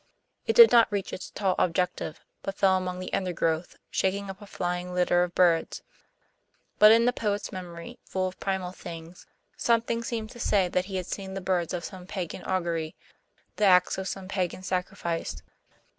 It did not reach its tall objective, but fell among the undergrowth, shaking up a flying litter of birds. But in the poet's memory, full of primal things, something seemed to say that he had seen the birds of some pagan augury, the ax of some pagan sacrifice.